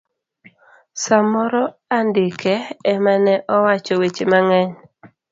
samoro andike emane owacho weche mangeny.